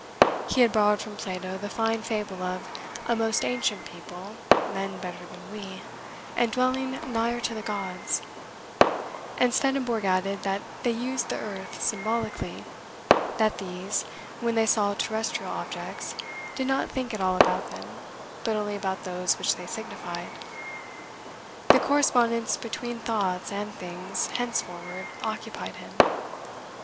He had borrowed from Plato the fine fable of "a most ancient people, men better than we, and dwelling nigher to the gods;" and Swedenborg added, that they used the earth symbolically; that these, when they saw terrestrial objects, did not think at all about them, but only about those which they signified. The correspondence between thoughts and things henceforward occupied him.